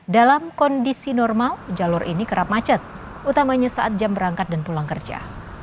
dalam kondisi normal jalur ini kerap macet utamanya saat jam berangkat dan pulang kerja